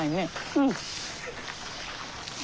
うん。